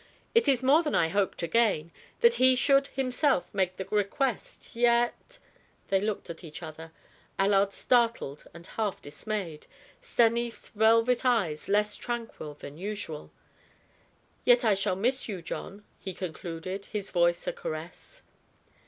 It is more than I hoped to gain, that he should himself make the request; yet " They looked at each other, Allard startled and half dismayed, Stanief's velvet eyes less tranquil than usual. "Yet I shall miss you, John," he concluded, his voice a caress.